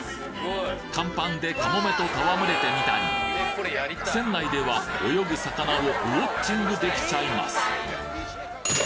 甲板でカモメと戯れてみたり船内では泳ぐ魚をウォッチングできちゃいます！